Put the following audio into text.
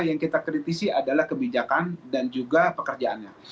yang kita kritisi adalah kebijakan dan juga pekerjaannya